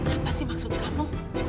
apa sih maksud kamu